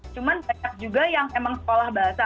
cuma banyak juga yang emang sekolah bahasa